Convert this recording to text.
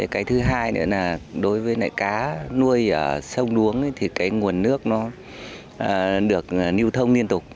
cái thứ hai nữa là đối với lại cá nuôi ở sông luống thì cái nguồn nước nó được lưu thông liên tục